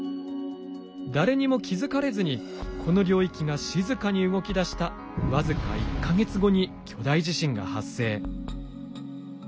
誰にも気付かれずにこの領域が静かに動きだした僅か１か月後に巨大地震が発生。